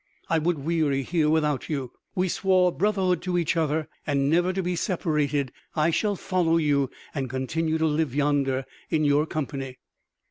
I would weary here without you.... We swore brotherhood to each other, and never to be separated; I shall follow you and continue to live yonder in your company."